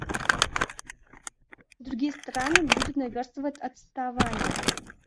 Другие страны будут наверстывать отставание.